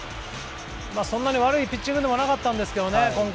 そんなに悪いピッチングではなかったんですけどね。